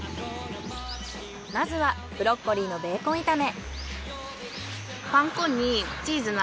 まずはブロッコリーのベーコン炒め。